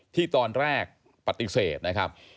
ที่ตอนแรกปฏิเสธนะครับ